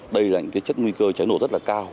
đây là những chất nguy cơ cháy nổ rất là cao